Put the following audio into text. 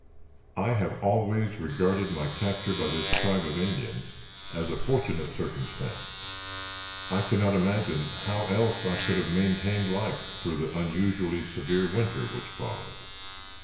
I have always regarded my capture by this tribe of Indians as a fortunate circumstance. I cannot imagine how else I could have maintained life through the unusually severe winter which followed.